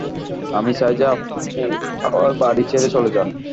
আমি চাই যে আপনি আমার বাড়ি ছেড়ে চলে যান।